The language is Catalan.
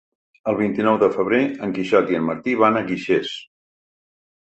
El vint-i-nou de febrer en Quixot i en Martí van a Guixers.